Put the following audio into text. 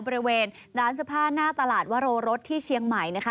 บริเวณร้านเสื้อผ้าหน้าตลาดวโรรสที่เชียงใหม่นะคะ